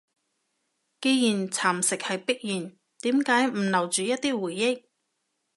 既然蠶蝕係必然，點解唔留住一啲回憶？